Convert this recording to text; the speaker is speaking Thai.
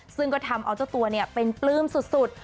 ซึ่งก็ทำเอาเจ้าตัวเป็นปลื้มสุด